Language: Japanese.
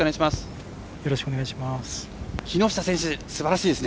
よろしくお願いします。